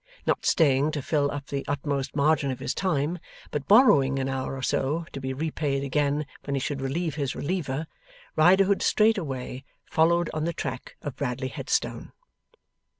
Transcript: Not staying to fill up the utmost margin of his time, but borrowing an hour or so, to be repaid again when he should relieve his reliever, Riderhood straightway followed on the track of Bradley Headstone.